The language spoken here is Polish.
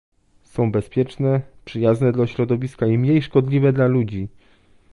Są bezpieczne, przyjazne dla środowiska i mniej szkodliwe dla ludzi